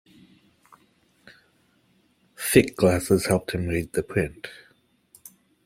Thick glasses helped him read the print.